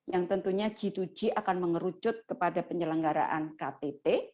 yang tentunya g dua g akan mengerucut kepada penyelenggaraan ktt